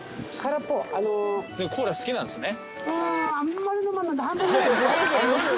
コーラ好きなんですね。